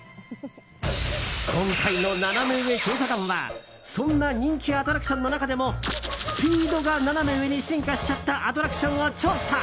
今回のナナメ上調査団はそんな人気アトラクションの中でもスピードがナナメ上に進化しちゃったアトラクションを調査！